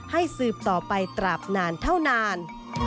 สืบต่อไปตราบนานเท่านาน